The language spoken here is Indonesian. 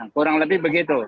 kurang lebih begitu